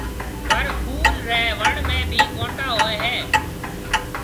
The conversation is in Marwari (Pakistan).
پر ڦول ري وڻ ۾ بي ڪونٽا هوئي هيَ۔